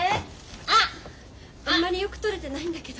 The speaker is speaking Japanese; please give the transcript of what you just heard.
あんまりよく撮れてないんだけど。